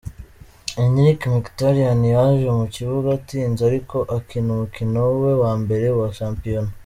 Henrick Mikhtaryan yaje mu kibuga atinze ariko akina umukino we wa mbere wa shampiyona .